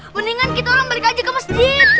mendingan kita orang balik aja ke masjid